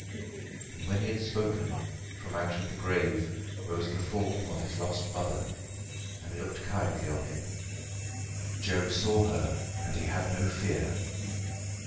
And when he had spoken, from out the grave rose the form of his lost mother, and looked kindly on him. Joe saw her, and he had no fear.